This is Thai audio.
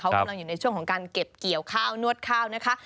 เขากำลังอยู่ในช่วงของการเก็บเกี่ยวข้าวนวดข้าวนะคะ